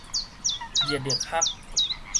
熱力學